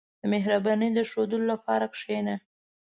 • د مهربانۍ د ښوودلو لپاره کښېنه.